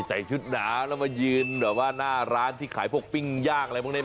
ใส่ชุดหนาวแล้วมายืนแบบว่าหน้าร้านที่ขายพวกปิ้งย่างอะไรพวกนี้